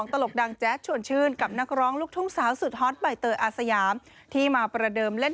ฮากันแล้วอย่างพี่แจ๊ดเอง